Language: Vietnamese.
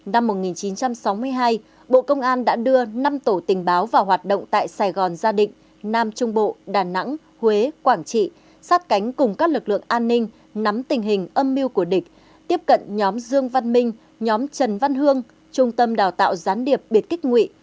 năm một nghìn chín trăm sáu mươi hai bộ công an đã đưa năm tổ tình báo vào hoạt động tại sài gòn gia định nam trung bộ đà nẵng huế quảng trị sát cánh cùng các lực lượng an ninh nắm tình hình âm mưu của địch tiếp cận nhóm dương văn minh nhóm trần văn hương trung tâm đào tạo gián điệp biệt kích nguyện